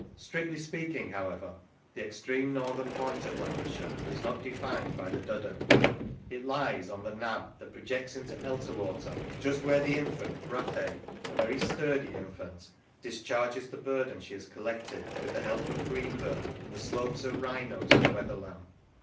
Strictly speaking, however, the extreme northern point of Lancashire is not defined by the Duddon: it lies on the " nab " that projects into Elterwater, just where the infant Brathay (a very sturdy infant) discharges the burden she has collected, with the help of Greenburn, from the slopes of Wrynose and Wetherlam.